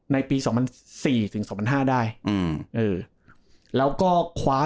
ในปีสองพันสี่ถึงสองพันห้าได้อืมเออแล้วก็คว้า